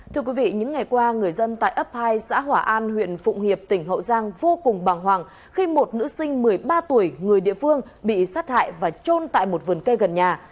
thưa quý vị những ngày qua người dân tại ấp hai xã hỏa an huyện phụng hiệp tỉnh hậu giang vô cùng bàng hoàng khi một nữ sinh một mươi ba tuổi người địa phương bị sát hại và trôn tại một vườn cây gần nhà